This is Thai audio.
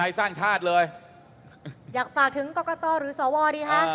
อยากฝากท่ิ้งกกตหรือสววสิค่ะ